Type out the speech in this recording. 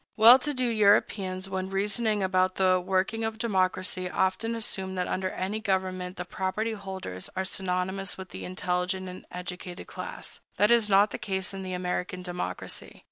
Well to do Europeans, when reasoning about the working of democracy, often assume that under any government the property holders are synonymous with the intelligent and educated class. That is not the case in the American democracy.